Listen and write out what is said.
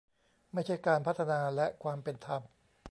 ไม่ใช่การพัฒนาและความเป็นธรรม